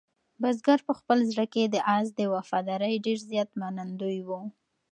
بزګر په خپل زړه کې د آس د وفادارۍ ډېر زیات منندوی و.